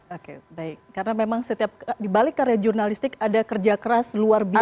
oke baik karena memang setiap dibalik karya jurnalistik ada kerja keras luar biasa